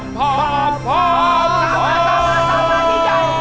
ต่อมาทีใหญ่